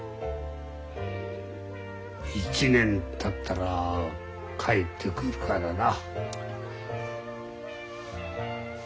１年たったら帰ってくるからな。